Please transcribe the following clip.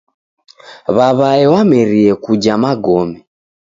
W'aw'ae wamerie kuja magome.